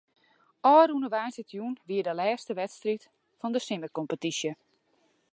Ofrûne woansdeitejûn wie de lêste wedstriid fan de simmerkompetysje.